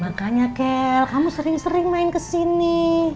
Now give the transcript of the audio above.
makanya kel kamu sering sering main ke sini